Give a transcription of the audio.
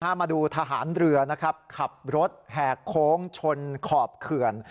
ถ้ามาดูทหารเรือขับรถแหกโค้งชนขอบเขื่น